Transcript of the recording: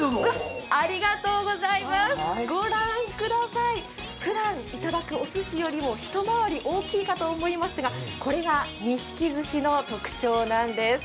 御覧ください、ふだんいただくおすしよりも、一回り大きいかと思いますが、これが錦寿司の特徴なんです。